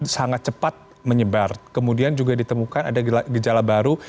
sangat cepat menyebar kemudian juga ditemukan ada gejala baru